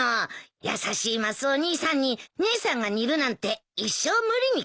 優しいマスオ兄さんに姉さんが似るなんて一生無理に決まってるじゃない。